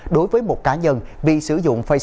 đối với một cá nhân vì sử dụng facebook đăng tải thông tin